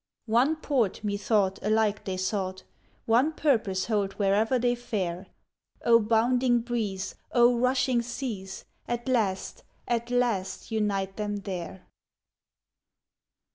One port, methought, alike they sought, One purpose hold where'er they fare; O bounding breeze, O rushing seas, At last, at last, unite them there!